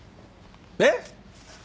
えっ！？